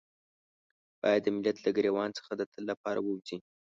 بايد د ملت له ګرېوان څخه د تل لپاره ووځي.